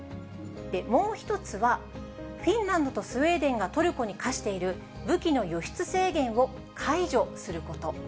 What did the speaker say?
もう１つは、フィンランドとスウェーデンがトルコに科している、武器の輸出制限を解除すること。